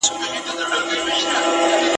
انګرېزان حلال سوي دي.